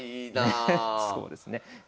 そうですね。